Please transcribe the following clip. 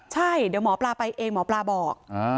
ใช่เดี๋ยวหมอปลาไปเองหมอปลาบอก